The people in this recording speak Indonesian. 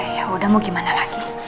ya udah mau gimana lagi